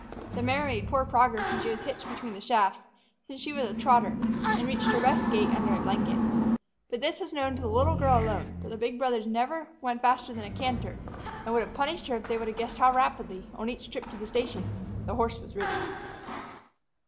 The mare made poor progress when she was hitched between shafts, since she was not a trotter, and reached her best gait under a blanket. But this was known to the little girl alone, for the big brothers never went faster than a canter, and would have punished her if they had guessed how rapidly, on each trip to the station, the horse was ridden.